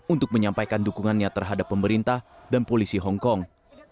untuk menyampaikan dukungannya terhadap pemerintah dan polisi hong kong